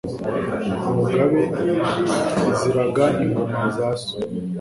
Mugabe iziraga ingoma za so.